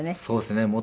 そうですね。